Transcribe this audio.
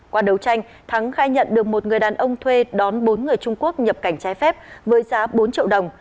qua đấu tranh thắng khai nhận được một người đàn ông thuê đón bốn người trung quốc nhập cảnh trái phép với giá bốn triệu đồng